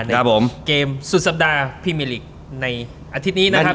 ในเกมสุดสัปดาห์พี่เมริกในอาทิตย์นี้นะครับ